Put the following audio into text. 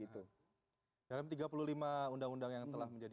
dalam tiga puluh lima undang undang yang telah menjadi